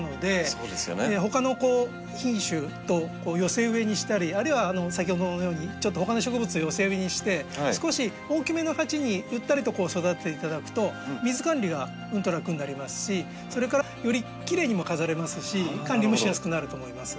他の品種と寄せ植えにしたりあるいは先ほどのようにちょっと他の植物寄せ植えにして少し大きめの鉢にゆったりと育てて頂くと水管理がうんと楽になりますしそれからよりきれいにも飾れますし管理もしやすくなると思います。